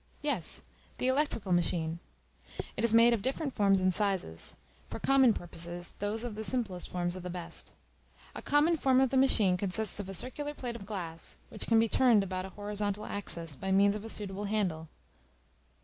Yes; the electrical machine. It is made of different forms and sizes: for common purposes those of the simplest form are the best. A common form of the machine consists of a circular plate of glass, which can be turned about a horizontal axis by means of a suitable handle.